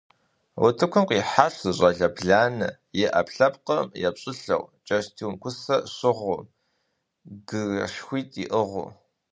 Утыкум къихьащ зы щӏалэ бланэ, и ӏэпкълъэпкъым епщӏылӏэу кӏэстум кусэ щыгъыу, гырэшхуитӏ иӏыгъыу.